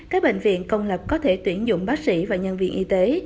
các bệnh viện công lập có thể tuyển dụng bác sĩ và nhân viên y tế